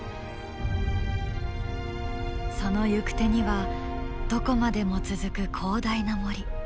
その行く手にはどこまでも続く広大な森。